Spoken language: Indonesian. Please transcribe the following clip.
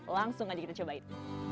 langsung aja kita cobain